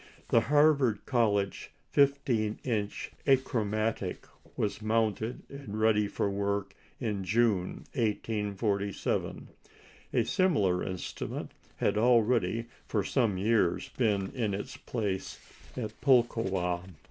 The Harvard College 15 inch achromatic was mounted and ready for work in June, 1847. A similar instrument had already for some years been in its place at Pulkowa.